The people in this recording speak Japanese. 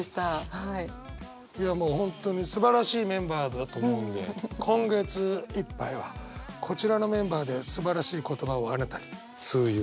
いやもう本当にすばらしいメンバーだと思うので今月いっぱいはこちらのメンバーですばらしい言葉をあなたにｔｏｙｏｕ。